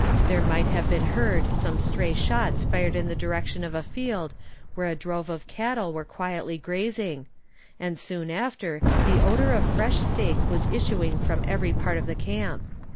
There might have been heard some stray shots fired in the direction of a field where a drove of cattle were quietly grazing; and soon after the odor of fresh steak was issuing from every part of the camp.